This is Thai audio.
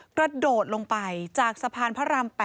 กระโดดลงไปจากสะพานพระราม๘